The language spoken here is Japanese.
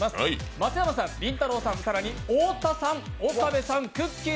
松山さん、りんたろーさん、更に太田さん、岡部さん、くっきー！